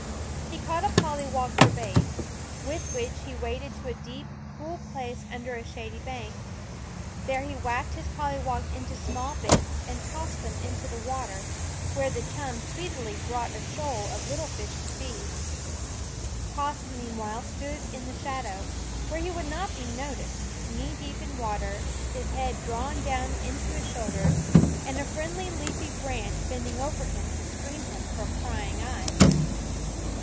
He caught a pollywog for bait, with which he waded to a deep, cool place under a shady bank. There he whacked his pollywog into small bits and tossed them into the water, where the chum speedily brought a shoal of little fish to feed. Quoskh meanwhile stood in the shadow, where he would not be noticed, knee deep in water, his head drawn down into his shoulders, and a friendly leafy branch bending over him to screen him from prying eyes.